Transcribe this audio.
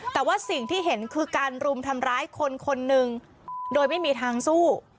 แต่ว่าสิ่งที่เห็นคือการรุมทำร้ายคนคนหนึ่งโดยไม่มีทางสู้